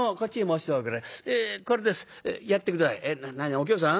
お清さん？